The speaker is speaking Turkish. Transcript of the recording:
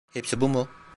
Hepsi bu mu?